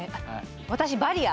私バリア。